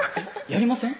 やりません？